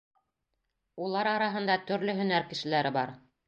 Улар араһында төрлө һөнәр кешеләре бар.